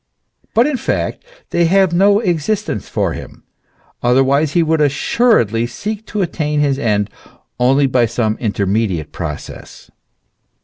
But in fact they have no existence for him ; otherwise he would assuredly seek to attain his end only by some intermediate process.